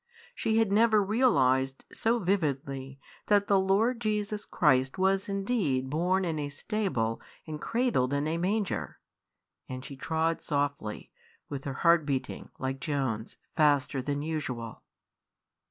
She had never realised so vividly that the Lord Jesus Christ was indeed born in a stable and cradled in a manger; and she trod softly, with her heart beating, like Joan's, faster than usual.